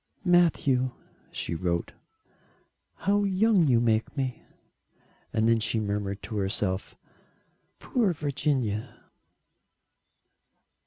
"Matthew," she wrote, "how young you make me." And then she murmured to herself: "Poor Virginia!"